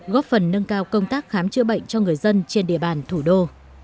góp phần nâng cao công tác khám chữa bệnh cho người dân trên địa bàn thủ đô